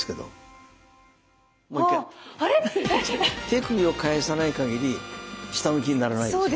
手首を返さないかぎり下向きにならないです。